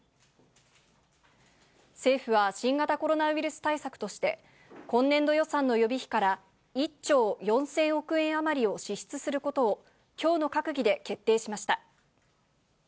政府は新型コロナウイルス対策として、今年度予算の予備費から１兆４０００億円余りを支出することを、きょうの閣議で決定しました。